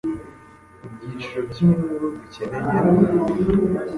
ibyiciro by'inkuru dukeneye nibi